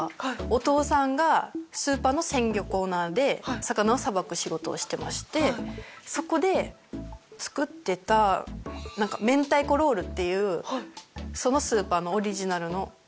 お父さんがスーパーの鮮魚コーナーで魚をさばく仕事をしてましてそこで作ってた明太子ロールっていうそのスーパーのオリジナルのお寿司があったのね。